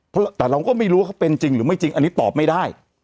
เพราะแต่เราก็ไม่รู้ว่าเขาเป็นจริงหรือไม่จริงอันนี้ตอบไม่ได้